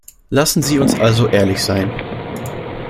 Lassen Sie uns also ehrlich sein.